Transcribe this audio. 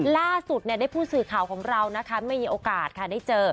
ล่าสุดได้ผู้สื่อข่าวของเรานะคะไม่มีโอกาสค่ะได้เจอ